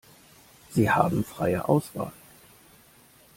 Sie haben freie Auswahl.